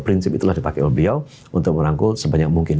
prinsip itulah dipakai oleh beliau untuk merangkul sebanyak mungkin